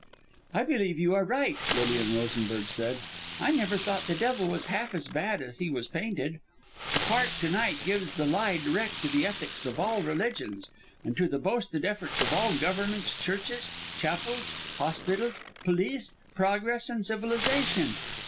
"I believe you are right," Lilian Rosenberg said, "I never thought the devil was half as bad as he was painted. The Park to night gives the lie direct to the ethics of all religions, and to the boasted efforts of all governments, churches, chapels, hospitals, police, progress and civilization.